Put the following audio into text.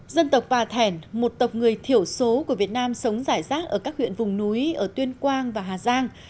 dân tộc bà thẻn một tộc người thiểu số của việt nam sống rải rác ở các huyện vùng núi ở tuyên quang và hà giang